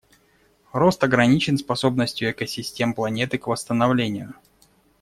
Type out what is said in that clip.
Рост ограничен способностью экосистем планеты к восстановлению.